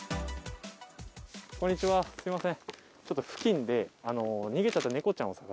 こんにちは、すみません。